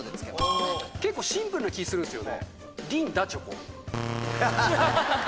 ピンポン結構シンプルな気するんすよね。